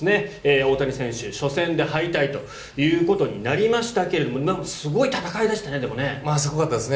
大谷選手初戦で敗退ということになりましたけどすごかったですね。